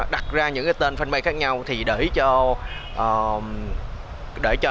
đặt ra những cái tên fanpage khác nhau thì để cho